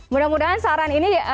mudah mudahan saran ini